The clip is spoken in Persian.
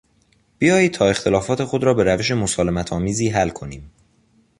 بیایید تا اختلافات خود را به روش مسالمتآمیزی حل کنیم.